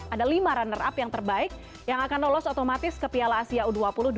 ada lima runner up yang terbaik yang akan lolos otomatis ke piala asia u dua puluh dua ribu dua puluh